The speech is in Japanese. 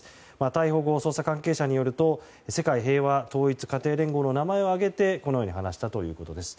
逮捕後、捜査関係者によると世界平和統一家庭連合の名前を挙げてこのように話したということです。